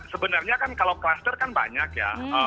sebenarnya kan kalau kluster kan banyak ya